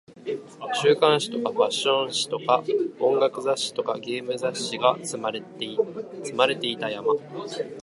週刊誌とかファッション誌とか音楽雑誌とかゲーム雑誌が積まれていた山